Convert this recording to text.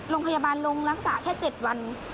โรงพยาบาลลงรักษาแค่๗วัน